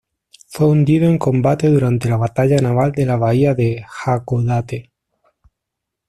Fue hundido en combate durante la batalla naval de la bahía de Hakodate.